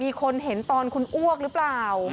มีคนเห็นตอนคุณอ้วกหรือเปล่า